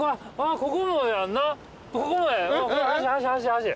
ここ。